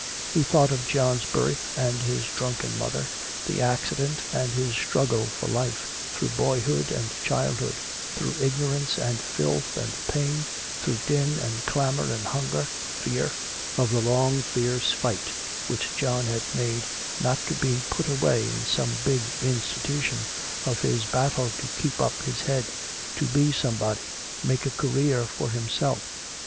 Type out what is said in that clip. He thought of John's birth and his drunken mother, the accident and his struggle for life, through babyhood and childhood, through ignorance and filth and pain, through din and clamor and hunger, fear; of the long fierce fight which John had made not to be "put away" in some big institution, of his battle to keep up his head, to be somebody, make a career for himself.